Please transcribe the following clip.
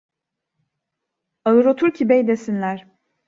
Ağır otur ki bey desinler.